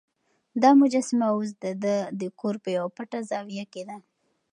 دا مجسمه اوس د ده د کور په یوه پټه زاویه کې ده.